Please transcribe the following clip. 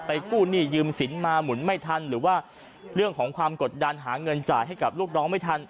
กู้หนี้ยืมสินมาหมุนไม่ทันหรือว่าเรื่องของความกดดันหาเงินจ่ายให้กับลูกน้องไม่ทัน